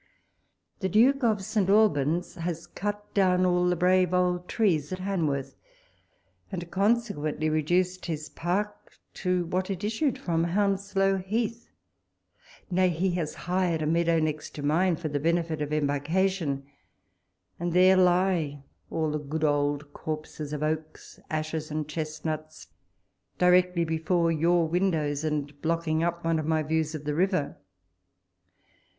The Duke of St. Albans has cut down all the brave old trees at Hanwox'th, and conse quently reduced his park to what it issued from — Hounslow heath : nay, he has hired a meadow next to mine, for the benefit of embarkation ; and there lie all the good old corpses of oaks, ashes, and chestnuts, directly before your win dows, and blocking up one of my views of the river